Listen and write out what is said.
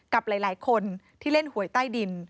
กับหลายคนที่เล่นหวยใต้ดิน